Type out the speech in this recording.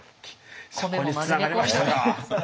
そこにつながりましたか！